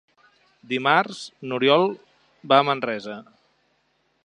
Dimarts n'Oriol va a Manresa.